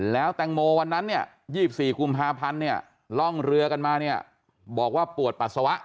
แล้วแตงโมวันนั้น๒๔กุมภาพันธ์ร่องเรือกันมาบอกว่าปวดปัสสาวะ